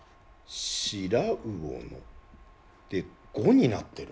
「白魚の」で５になってるんです。